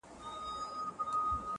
د پېړیو پېګويي به یې کوله.!